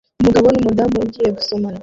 umugabo numudamu ugiye gusomana